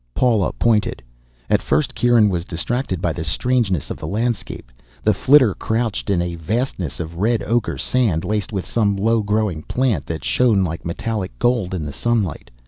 Paula pointed. At first Kieran was distracted by the strangeness of the landscape. The flitter crouched in a vastness of red ochre sand laced with some low growing plant that shone like metallic gold in the sunlight.